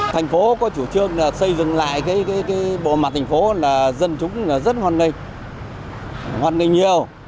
thành phố có chủ trương xây dựng lại cái bộ mặt thành phố là dân chúng rất hoàn nghịch hoàn nghịch nhiều